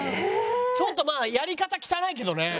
ちょっとまあやり方汚いけどね。